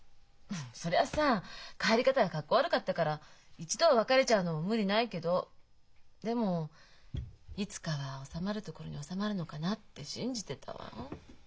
そりゃあさ帰り方がかっこ悪かったから一度は別れちゃうのも無理ないけどでもいつかは納まるとこに納まるのかなって信じてたわ。